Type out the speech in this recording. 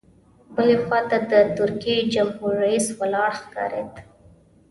بلې خوا ته د ترکیې جمهور رئیس ولاړ ښکارېد.